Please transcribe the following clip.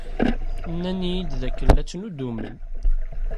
Nnan-iyi-d dakken la ttnuddumen.